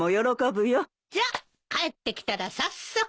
じゃあ帰ってきたら早速。